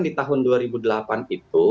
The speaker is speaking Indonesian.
di tahun dua ribu delapan itu